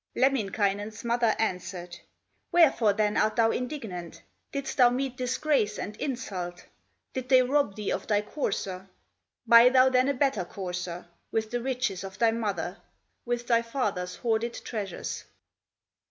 Lemminkainen's mother answered: "Wherefore then art thou indignant, Didst thou meet disgrace and insult, Did they rob thee of thy courser? Buy thou then a better courser With the riches of thy mother, With thy father's horded treasures."